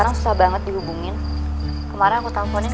kok gak dikis ini miko nya